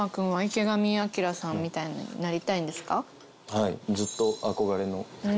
はい。